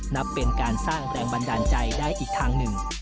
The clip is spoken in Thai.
นับเป็นการสร้างแรงบันดาลใจได้อีกทางหนึ่ง